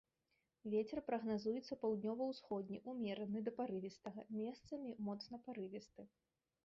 Вецер прагназуецца паўднёва-ўсходні ўмераны да парывістага, месцамі моцны парывісты.